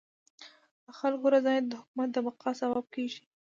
د خلکو رضایت د حکومت د بقا سبب کيږي.